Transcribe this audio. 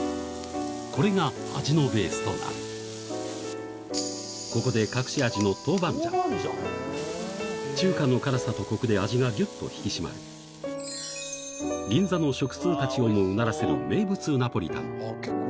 これが味のベースとなるここで隠し味の豆板醤中華の辛さとコクで味がギュっと引き締まる銀座の食通たちをもうならせる名物ナポリタン